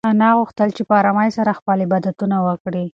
انا غوښتل چې په ارامۍ سره خپل عبادتونه وکړي.